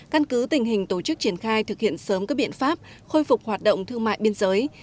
căn cứ tình hình tổ chức triển khai thực hiện sớm các biện pháp khôi phục hoạt động thương mại biên giới